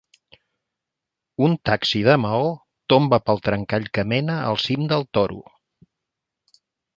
Un taxi de Maó tomba pel trencall que mena al cim del Toro.